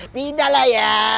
pindah lah ya